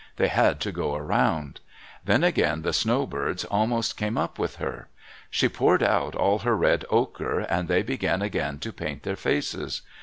They had to go around. Then again the snowbirds almost came up with her. She poured out all her red ochre and they began again to paint their faces.